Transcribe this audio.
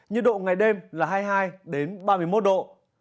nhiệt độ ngày đêm là hai mươi hai ba mươi một độ